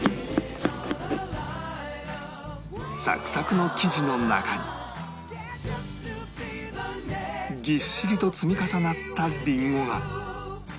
サクサクの生地の中にぎっしりと積み重なったりんごが